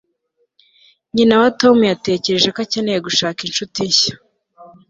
nyina wa tom yatekereje ko akeneye gushaka inshuti nshya